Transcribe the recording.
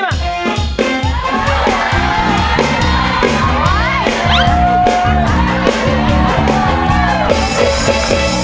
พอแล้ว